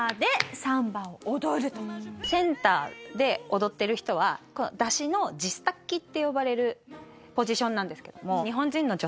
センターで踊ってる人は山車のデスタッキって呼ばれるポジションなんですけども。